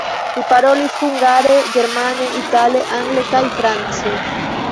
Ŝi parolis hungare, germane, itale, angle kaj france.